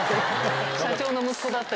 社長の息子だった。